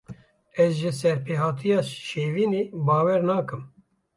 Ez ji serpêhatiya Şevînê bawer nakim.